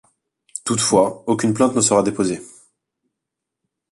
Toutefois, aucune plainte ne sera déposée.